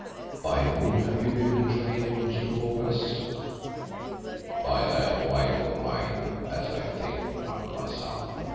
"By whom have you been betrayed, Umslopogaas?" "By that wife of mine, as I think, Macumazahn.